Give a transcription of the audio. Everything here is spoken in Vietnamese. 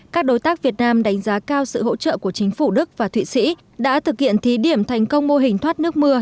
các đối tác việt nam đánh giá cao sự hỗ trợ của chính phủ đức và thụy sĩ đã thực hiện thí điểm thành công mô hình thoát nước mưa